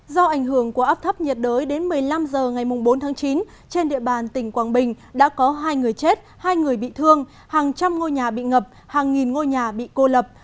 do ảnh hưởng của áp thấp nhiệt đới đến một mươi năm h ngày bốn tháng chín trên địa bàn tỉnh quảng bình đã có hai người chết hai người bị thương hàng trăm ngôi nhà bị ngập hàng nghìn ngôi nhà bị cô lập